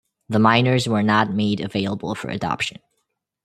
The minors were not made available for adoption.